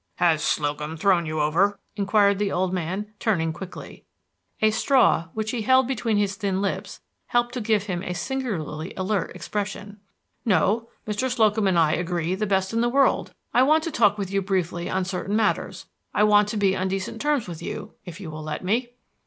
"Has Slocum thrown you over?" inquired the old man, turning quickly. A straw which he held between his thin lips helped to give him a singularly alert expression. "No; Mr. Slocum and I agree the best in the world. I want to talk with you briefly on certain matters; I want to be on decent terms with you, if you will let me."